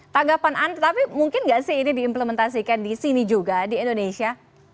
tanggapan anda tapi mungkin nggak sih ini diimplementasikan di sini juga di indonesia